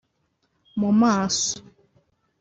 mu maso